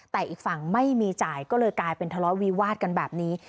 แต่อีกฝั่งไม่มีจ่ายก็เลยกลายเป็นทะเลาะวิวาดกันแบบนี้